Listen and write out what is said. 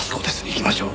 行きましょう。